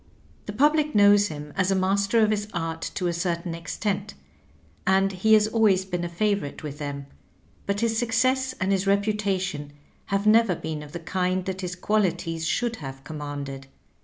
The public knows him as a master of his art to a certain ex tent, and he has always been a favorite with them ; but his success and his reputation have never been of the kind that his qualities should have commanded.